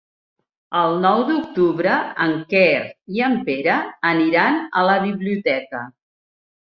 El nou d'octubre en Quer i en Pere aniran a la biblioteca.